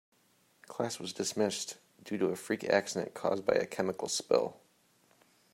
Class was dismissed due to a freak incident caused by a chemical spill.